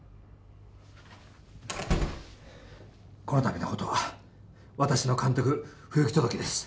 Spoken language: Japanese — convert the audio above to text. このたびのことは私の監督不行き届きです。